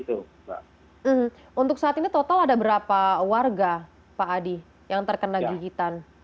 untuk saat ini total ada berapa warga pak adi yang terkena gigitan